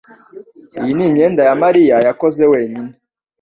Iyi ni imyenda Mariya yakoze wenyine.